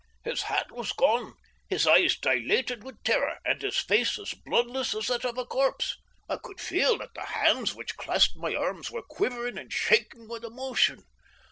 His hat was gone, his eyes dilated with terror, and his face as bloodless as that of a corpse. I could feel that the hands which clasped my arms were quivering and shaking with emotion.